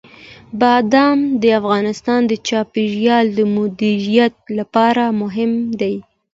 بادام د افغانستان د چاپیریال د مدیریت لپاره مهم دي.